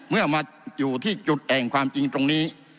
เมื่อมาอยู่ที่จุดแห่งความจริงตรงนี้